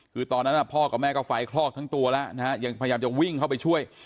คือตอนนั้นพ่อกับแม่ก็ไฟคลอกทั้งตัวแล้วนะฮะยังพยายามจะวิ่งเข้าไปช่วย